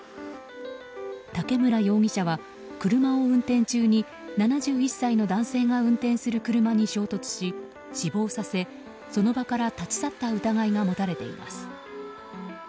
竹村容疑者は、車を運転中に７１歳の男性が運転する車に衝突し、死亡させその場から立ち去った疑いが持たれています。